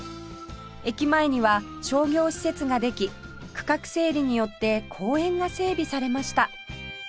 駅前には商業施設ができ区画整理によって公園が整備されました